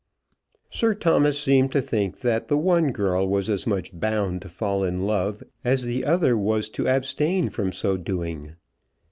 Sir Thomas seemed to think that the one girl was as much bound to fall in love as the other was to abstain from so doing.